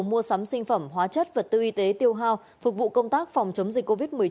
mua sắm sinh phẩm hóa chất vật tư y tế tiêu hao phục vụ công tác phòng chống dịch covid một mươi chín